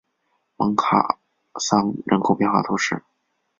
蒙卡桑人口变化图示